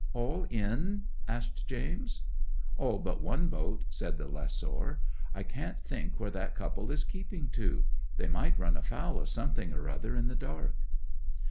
'"All in?" asked James. '"All but one boat," said the lessor. "I can't think where that couple is keeping to. They might run foul of something or other in the dark."